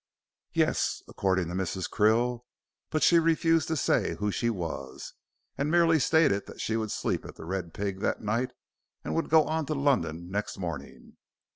"Yes according to Mrs. Krill but she refused to say who she was, and merely stated that she would sleep at 'The Red Pig' that night and would go on to London next morning.